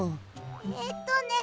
えっとね